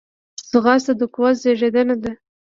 ځغاسته د قوت زیږنده ده